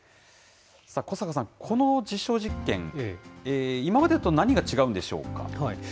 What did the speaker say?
小坂さん、この実証実験、今までと何が違うんでしょうか。